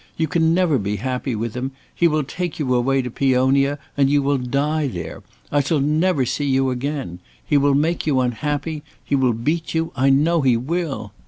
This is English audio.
You can never be happy with him! he will take you away to Peonia, and you will die there! I shall never see you again! He will make you unhappy; he will beat you, I know he will!